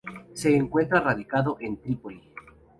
Se encuentra radicado en Trípoli.